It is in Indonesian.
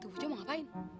tuh gue mau ngapain